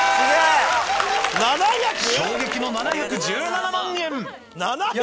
衝撃の７１７万円！